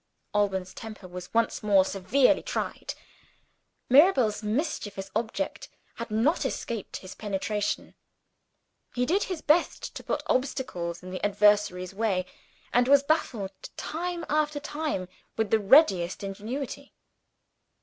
Alban's temper was once more severely tried. Mirabel's mischievous object had not escaped his penetration. He did his best to put obstacles in the adversary's way and was baffled, time after time, with the readiest ingenuity.